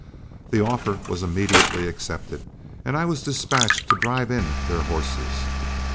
The offer was immediately accepted, and I was dispatched to drive in their horses.